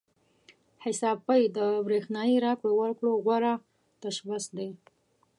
حساب پې د برېښنايي راکړو ورکړو غوره تشبث دی.